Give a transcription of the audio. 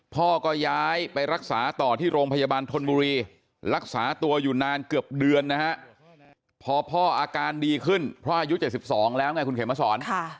พ่อก็ย้ายไปรักษาต่อที่โรงพยาบาลธนบุรีรักษาตัวอยู่นานเกือบเดือนนะฮะพอพ่ออาการดีขึ้นเพราะอายุ๗๒แล้วไงคุณเขมสอน